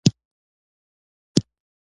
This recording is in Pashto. د څو ورځو وروسته یې ډېره ګټه لاس ته راوړه.